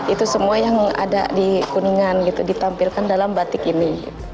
itu semua yang ada di kuningan gitu ditampilkan dalam batik ini